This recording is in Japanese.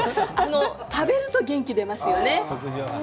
食べると元気が出ますよね。